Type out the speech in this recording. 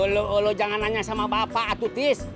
lo jangan nanya sama bapak atutis